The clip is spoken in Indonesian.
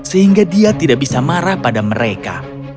sehingga dia tidak bisa marah pada mereka